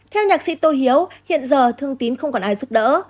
theo nhạc sĩ tô hiếu hiện giờ thương tín không còn ai giúp đỡ